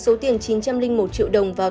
số tiền chín trăm linh một triệu đồng vào